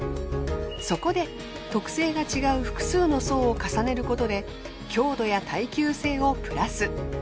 そこで特性が違う複数の層を重ねることで強度や耐久性をプラス。